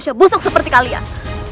tapi kau memperkenalkan